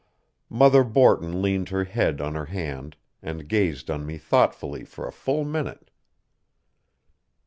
Mother Borton leaned her head on her hand, and gazed on me thoughtfully for a full minute.